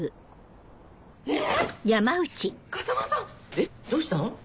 えっどうしたの？